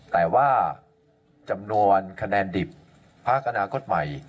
แต่ว่าจำนวนคะแนนดิบพักอนาคตใหม่